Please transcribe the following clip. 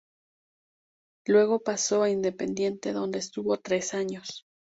Luego pasó a Independiente donde estuvo tres años.